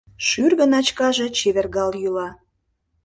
Шӱргӧ начкаже чевергал йӱла.